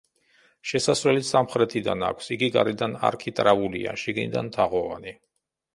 შესასვლელი სამხრეთიდან აქვს, იგი გარედან არქიტრავულია, შიგნიდან თაღოვანი.